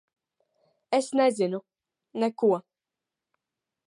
Es nezinu. Neko.